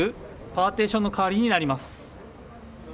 パーティションの代わりになります。